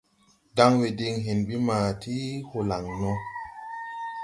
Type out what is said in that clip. Danwe din hen ɓi ma ti holaŋ no.